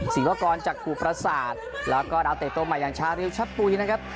สีวะกรณ์จากกรุพรศาสตร์แล้วก็เอาเตะตัวใหม่อย่างช้าเร็วชัดปุ๋ยนะครับ